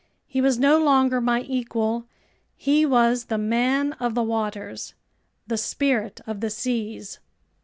He was no longer my equal, he was the Man of the Waters, the Spirit of the Seas.